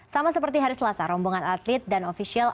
sama seperti hari selasa rombongan atlet dan ofisial